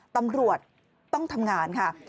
ตำรวจต้องทำงานค่ะ